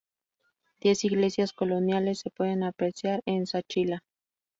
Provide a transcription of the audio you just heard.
Diez iglesias coloniales, se pueden apreciar en Zaachila.